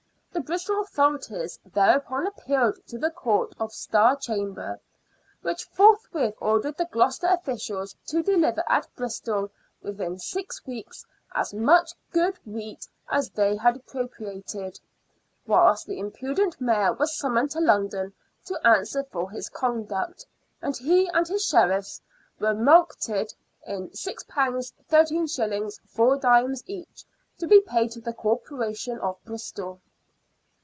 The Bristol authorities thereupon appealed to the Court of Star Chamber, which forthwith ordered the Gloucester officials to deliver at Bristol within six weeks as much good wheat as they had appropriated, whilst the impudent Mayor was summoned to London to answer for his conduct, and he and his Sheriffs were mulcted in £6 13s. 4d. each, to be paid to the Corporation of Bristol.